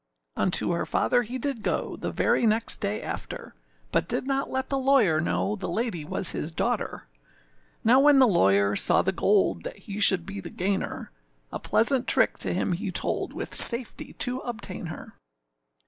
â Unto her father he did go, The very next day after; But did not let the lawyer know The lady was his daughter. Now when the lawyer saw the gold That he should be she gainer, A pleasant trick to him he told With safety to obtain her.